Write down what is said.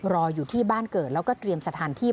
รออยู่ที่บ้านเกิดแล้วก็เตรียมสถานที่